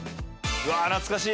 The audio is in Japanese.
うわ懐かしい！